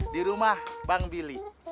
di rumah bang bili